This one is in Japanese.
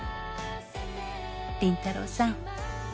「林太郎さん」